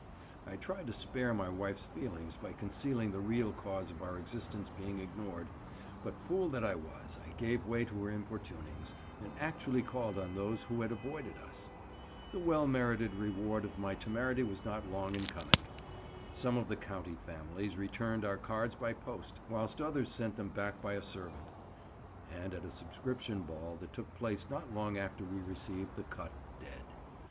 I tried to spare my wife's feelings by concealing the real cause of our existence being ignored; but, fool that I was, I gave way to her importunings, and actually called on those who had avoided us. The well merited reward of my temerity was not long in coming. Some of the county families returned our cards by post, whilst others sent them back by a servant; and at a subscription ball that took place not long after we received the cut dead.